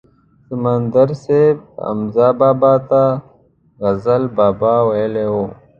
سمندر صاحب حمزه بابا ته غزل بابا ویلی و.